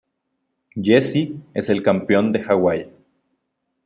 Jesse es el campeón de Hawaii.